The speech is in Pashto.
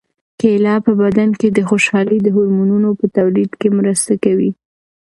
کیله په بدن کې د خوشالۍ د هورمونونو په تولید کې مرسته کوي.